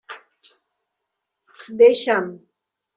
Deixa'm!